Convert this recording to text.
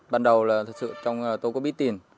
ban đầu là thực sự trong tôi có biết tiền